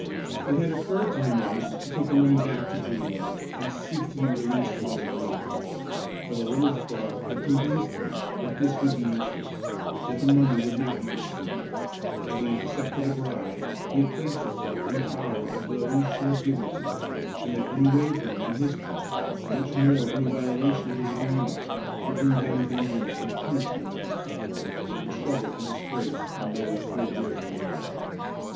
It had occurred to him once to take the money back to Pleadwell, and seek to be released from his agreement. But a little thought had convinced him that this would be useless; that the money would not be received; that, having accepted a bribe, he had placed himself in the power of those who had given it to him, and that any wavering on his part, much more any violation of his agreement, would bring down vengeance and punishment on himself, and trouble and disgrace on those who were dear to him.